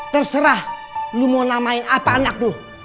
terserah lu mau namain apa anak lu